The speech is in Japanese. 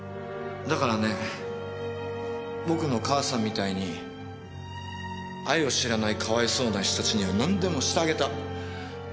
だからね僕の母さんみたいに愛を知らないかわいそうな人たちには何でもしてあげた。